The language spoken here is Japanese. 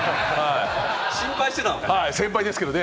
心配してたのね。